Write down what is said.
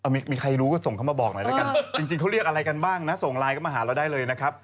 หมายถึงเขาเรียกอะไรกันบ้างส่งไลน์กันบ้างมาหาเราได้เลยนะครับ